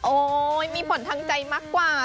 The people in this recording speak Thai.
โอ๊ยมีผลทางใจมากกว่า